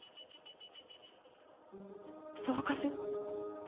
そばかす。